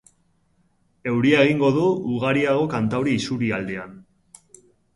Euria egingo du, ugariago kantauri isurialdean.